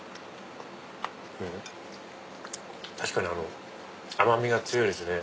確かに甘みが強いですね